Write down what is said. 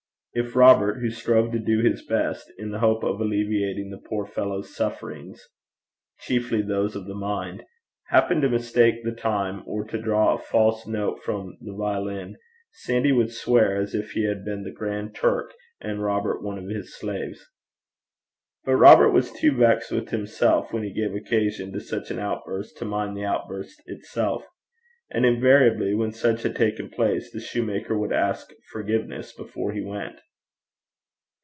If Robert, who strove to do his best, in the hope of alleviating the poor fellow's sufferings chiefly those of the mind happened to mistake the time or to draw a false note from the violin, Sandy would swear as if he had been the Grand Turk and Robert one of his slaves. But Robert was too vexed with himself, when he gave occasion to such an outburst, to mind the outburst itself. And invariably when such had taken place, the shoemaker would ask forgiveness before he went.